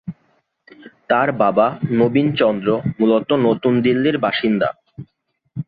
তাঁর বাবা নবীন চন্দ্র মূলত নতুন দিল্লির বাসিন্দা।